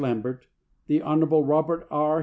Lambert, the Hon. Robert R.